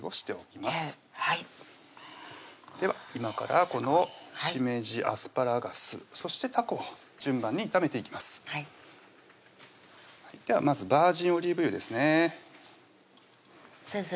今からこのしめじ・アスパラガスそしてたこを順番に炒めていきますではまずバージンオリーブ油ですね先生